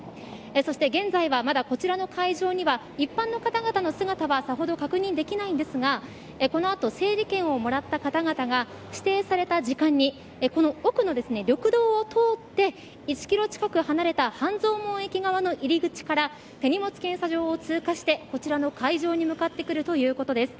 そして、現在はまだこちらの会場には一般の方々の姿はさほど確認できないんですがこの後、整理券をもらった方々が指定された時間にこの、奥の緑道を通って１キロ近く離れた半蔵門駅側の入り口から手荷物検査場を通過してこちらの会場に向かってくるということです。